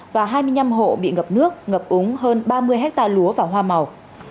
và hai mươi năm hộ bị ngập nước ngập úng hơn ba mươi hectare lúa và hoa màu